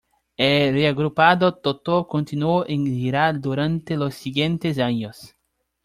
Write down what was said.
El reagrupado Toto continuó en gira durante los siguientes años.